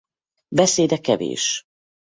Beszéde kevés.